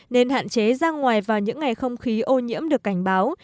nên hạn chế ra ngoài vào những ngày không khí ô nhiễm được cảnh báo